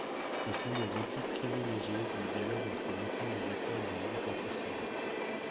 Ce sont des outils privilégiés du dialogue entre l’ensemble des acteurs du médico-social.